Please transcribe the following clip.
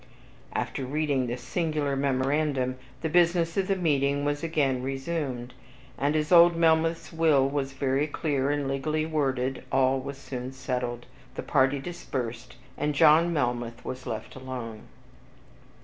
After reading this singular memorandum, the business of the meeting was again resumed; and as old Melmoth's will was very clear and legally worded, all was soon settled, the party dispersed, and John Melmoth was left alone.